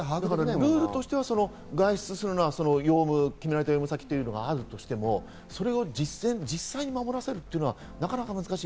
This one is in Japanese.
ルールとして決められた用務先があるとしても、実際に守らせるというのはなかなか難しい。